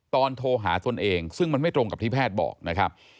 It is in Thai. โทรหาตนเองซึ่งมันไม่ตรงกับที่แพทย์บอกนะครับ